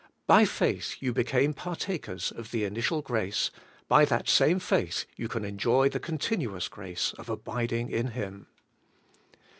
By faith you became partakers of the initial grace; by that same faith you can enjoy the continuous grace of abiding in Him.